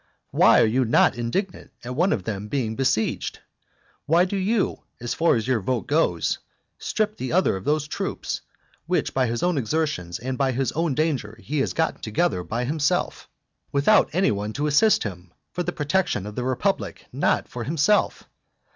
Why are you not indignant at one of them being besieged, and why do you as far as your vote goes strip the other of those troops which by his own exertions and by his own danger he has got together by himself, without any one to assist him, for the protection of the republic, not for himself?